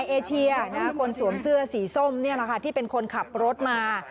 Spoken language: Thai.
ในเอเชียคนสวมเสื้อสีส้มที่เป็นคนขับรถมา